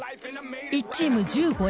１チーム１５人